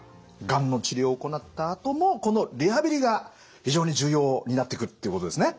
がんの治療を行ったあともこのリハビリが非常に重要になってくるっていうことですね。